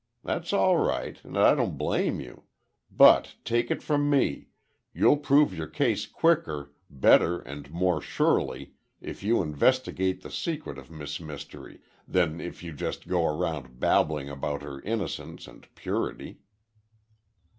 That's all right, and I don't blame you—but, take it from me, you'll prove your case quicker, better and more surely, if you investigate the secret of Miss Mystery, than if you just go around babbling about her innocence and purity."